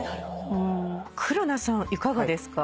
黒流さんいかがですか？